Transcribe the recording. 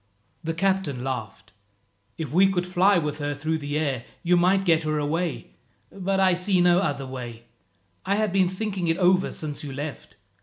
The captain laughed. "If we could fly with her through the air, you might get her away, but I see no other way. I have been thinking it over since you left.